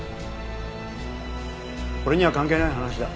俺には関係ない話だ。